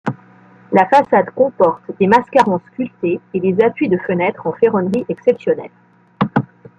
La façade comporte des mascarons sculptés et des appuis de fenêtre en ferronnerie exceptionnels.